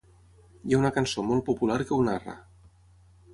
Hi ha una cançó molt popular que ho narra.